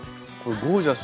ゴージャス！